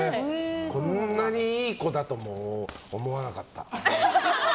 こんなにいい子だとも思わなかった。